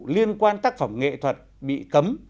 liên quan tác phẩm nghệ thuật bị cấm